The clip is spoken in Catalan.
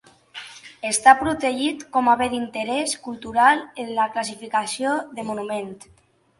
Està protegit com a bé d'interès cultural en la classificació de monument.